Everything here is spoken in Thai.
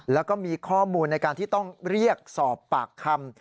แล้วก็มีข้อมูลในการที่ต้องเรียกสอบปากคำ